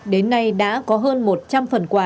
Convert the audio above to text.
đến nay đã có hơn một trăm linh phần quà